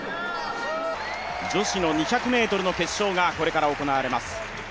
女子の２００ｍの決勝がこれから行われます。